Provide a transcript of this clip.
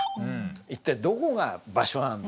一体どこが場所なんだよって。